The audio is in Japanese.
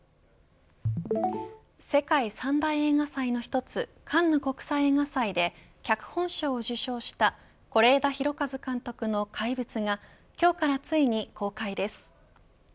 世界三大映画祭の一つカンヌ国際映画祭で脚本賞を受賞した是枝裕和監督の怪物が今日からついに公開です。